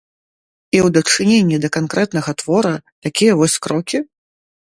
І ў дачыненні да канкрэтнага твора такія вось крокі?